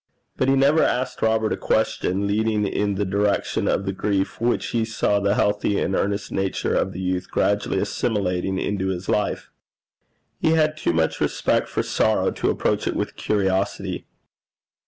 But he never asked Robert a question leading in the direction of the grief which he saw the healthy and earnest nature of the youth gradually assimilating into his life. He had too much respect for sorrow to approach it with curiosity.